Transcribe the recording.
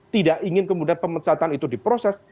tidak ingin kemudian pemecatan itu diproses